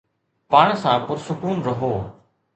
پاڻ سان پرسڪون رهو